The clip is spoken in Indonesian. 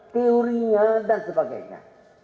teori nya dan sebagainya